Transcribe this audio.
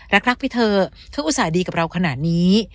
รักไปเถอะเขาอุตส่าห์ดีกับเราขนาดนี้